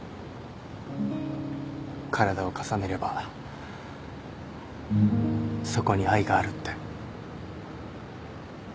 体を重ねればそこに愛があるって。